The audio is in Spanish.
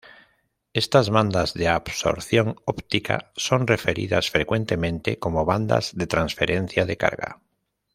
Estas bandas de absorción ópticas son referidas frecuentemente como "bandas de transferencia de carga"'.